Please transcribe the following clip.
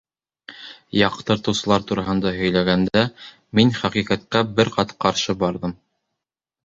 Яҡтыртыусылар тураһында һөйләгәндә, мин хәҡиҡәткә бер ҡат ҡаршы барҙым.